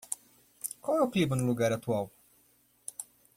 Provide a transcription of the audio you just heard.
Qual o clima no lugar atual?